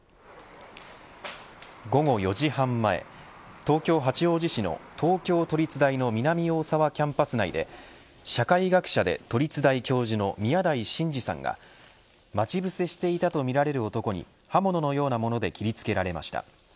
午後４時半前東京、八王子市の東京都立大の南大沢キャンパス内で社会学者で都立大教授の宮台真司さんが待ち伏せしていたとみられる男に刃物のようなもので切り付けられました。